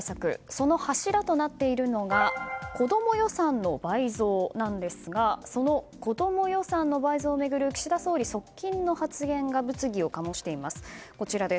その柱となっているのが子ども予算の倍増なんですがその子ども予算の倍増を巡る岸田総理側近の発言が物議を醸しています。